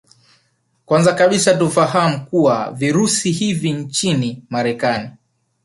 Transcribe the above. Kwanza kabisa tufahamu kuwa Virusi hivi nchini Marekani